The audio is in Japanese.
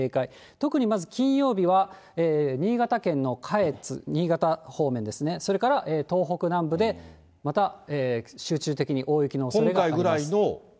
特にまず金曜日は新潟県の下越、新潟方面ですね、それから東北南部でまた集中的に大雪のおそれがあります。